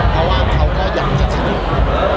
เพราะเขาอยากจะดู